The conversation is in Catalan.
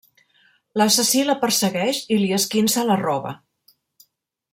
L'assassí la persegueix i li esquinça la roba.